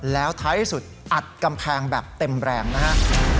แล้วท้ายที่สุดอัดกำแพงแบบเต็มแรงนะฮะ